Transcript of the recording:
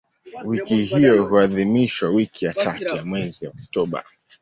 Wiki hiyo huadhimishwa wiki ya tatu ya mwezi Oktoba.